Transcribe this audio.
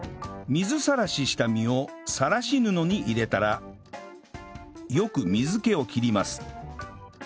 水さらしした身をさらし布に入れたらよく水気を切ります